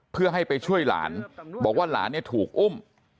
เพื่อให้ไปช่วยหลานบอกว่าหลานเนี่ยถูกอุ้ม